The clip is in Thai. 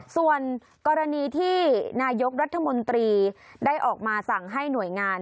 ส่วนกรณีที่นายกรัฐมนตรีได้ออกมาสั่งให้หน่วยงาน